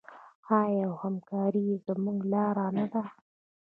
آیا او همکاري زموږ لاره نه ده؟